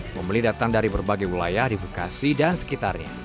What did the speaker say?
pembeli datang dari berbagai wilayah di bekasi dan sekitarnya